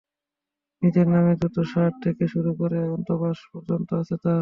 নিজের নামে জুতো, শার্ট থেকে শুরু করে অন্তর্বাস পর্যন্ত আছে তাঁর।